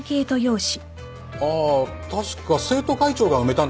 あー確か生徒会長が埋めたんだと思う